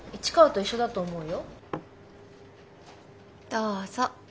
どうぞ。